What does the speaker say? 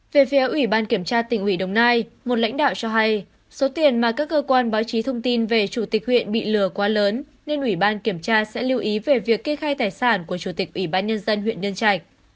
về phía ủy ban kiểm tra tỉnh ủy đồng nai một lãnh đạo cho hay số tiền mà các cơ quan báo chí thông tin về chủ tịch huyện bị lừa quá lớn nên ủy ban kiểm tra sẽ lưu ý về việc kê khai tài sản của chủ tịch ủy ban nhân dân huyện nhân trạch